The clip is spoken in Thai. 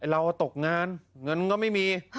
เราตกงานเงินก็ไม่มี